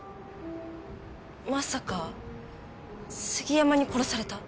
まさか杉山に殺された？